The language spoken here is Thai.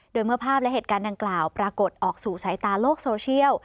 โดยเมื่อภาพและเหตุการณ์ดังกล่าวปรากฏออกสู่สายตาโลกโซเชียล